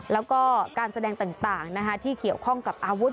แล้วก็การแสดงต่างที่เกี่ยวข้องกับอาวุธ